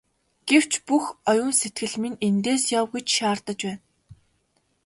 Гэвч бүх оюун сэтгэл минь эндээс яв гэж шаардаж байна.